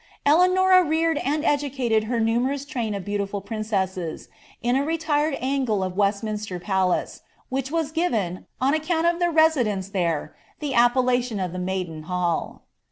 Elnnoim reared and educateil her numerous train of beautiful prin OUcs, in a Retired angle of Westminster Palace, which was given, oa Mtonui of their residence there, the appellBtion of the Maiden Mall.'